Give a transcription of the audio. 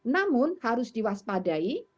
namun harus diwaspadai